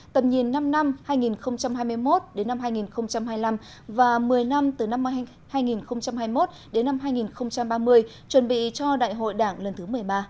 tầm nhìn năm năm hai nghìn hai mươi một đến năm hai nghìn hai mươi năm và một mươi năm từ năm hai nghìn hai mươi một đến năm hai nghìn ba mươi chuẩn bị cho đại hội đảng lần thứ một mươi ba